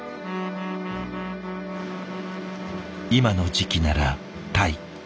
今の時期ならたい。